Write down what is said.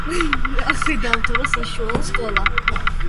აქვე დაამთავრა საშუალო სკოლა.